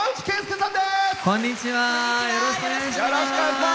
よろしくお願いします！